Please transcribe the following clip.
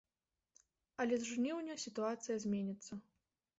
Але з жніўня сітуацыя зменіцца.